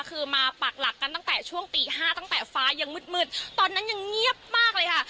คือมาปากหลักกันตั้งแต่ช่วงตีห้าตั้งแต่ฟ้ายังมืดมืดตอนนั้นยังเงียบมากเลยค่ะ